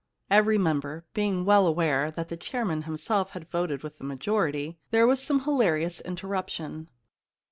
Every member being well aware that the chairman himself had voted with the majority, there was some hilarious interruption.